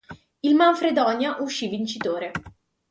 Il Manfredonia uscì vincitore.